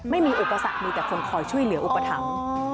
ไม่มีอุปสรรคมีแต่คนคอยช่วยเหลืออุปถัง